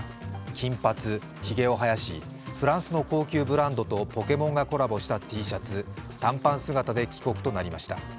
金髪、ひげをはやし、フランスの高級ブランドとポケモンがコラボしたＴシャツ、短パン姿で空港に現れました。